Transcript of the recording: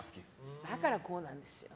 だから、こうなんですよ。